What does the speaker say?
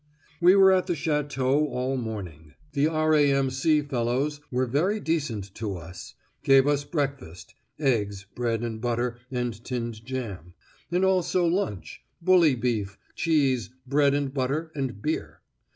We were at the Château all the morning. "The R.A.M.C. fellows were very decent to us; gave us breakfast (eggs, bread and butter, and tinned jam) and also lunch (bully beef, cheese, bread and butter, and beer).